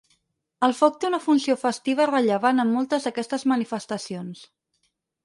El foc té una funció festiva rellevant en moltes d'aquestes manifestacions.